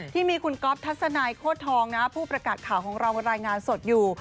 ที่มีคุณก๊อฟทัศนายโคตรทองนะผู้ประกาศข่าวของเรารายงานสดอยู่